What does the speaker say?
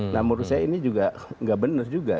nah menurut saya ini juga nggak benar juga